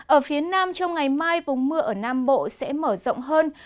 ở phía nam trong ngày mai vùng mưa ở nam bộ sẽ mở rộng hơn